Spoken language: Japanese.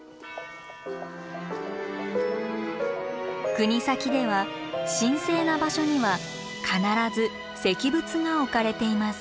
国東では神聖な場所には必ず石仏が置かれています。